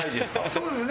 そうですね。